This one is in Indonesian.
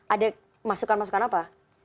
ada masukan masukan apa